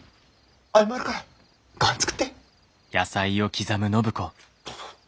謝るからごはん作って。